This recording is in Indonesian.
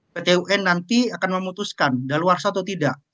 pt un nanti akan memutuskan daluarsa atau tidak